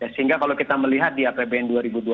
sehingga kalau kita melihat di apbn dua ribu dua puluh